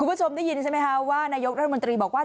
คุณผู้ชมได้ยินใช่ไหมคะว่านายกรัฐมนตรีบอกว่า